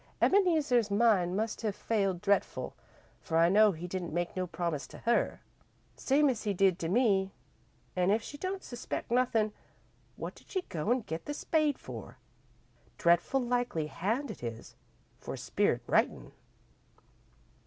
Ebeneezer's mind must have failed dretful, for I know he didn't make no promise to her, same as he did to me, an' if she don't suspect nothin', what did she go an' get the spade for? Dretful likely hand it is, for spirit writin'."